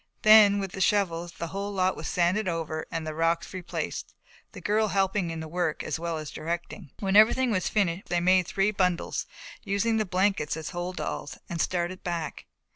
Then with the shovels the whole lot was sanded over and the rocks replaced, the girl helping in the work as well as directing. When everything was finished they made three bundles, using the blankets as holdalls, and started back.